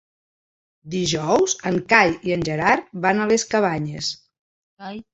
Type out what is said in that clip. Dijous en Cai i en Gerard van a les Cabanyes.